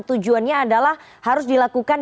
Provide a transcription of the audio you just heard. tujuannya adalah harus dilakukan